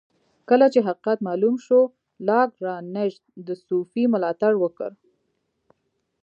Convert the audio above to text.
کله چې حقیقت معلوم شو لاګرانژ د صوفي ملاتړ وکړ.